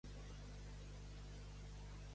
Par ma part.